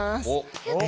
やった！